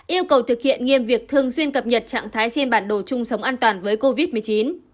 yêu cầu thực hiện nghiêm việc thường xuyên cập nhật trạng thái trên bản đồ chung sống an toàn với covid một mươi chín